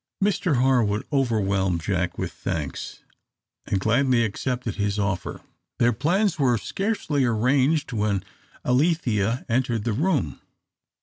Mr Harwood overwhelmed Jack with thanks, and gladly accepted his offer. Their plans were scarcely arranged when Alethea entered the room.